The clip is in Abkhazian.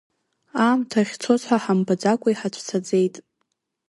Аамҭа ахьцоз ҳәа ҳамбаӡакәа, иҳацәцаӡеит…